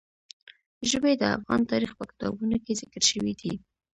ژبې د افغان تاریخ په کتابونو کې ذکر شوي دي.